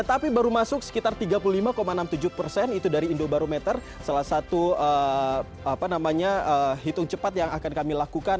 tapi baru masuk sekitar tiga puluh lima enam puluh tujuh persen itu dari indobarometer salah satu hitung cepat yang akan kami lakukan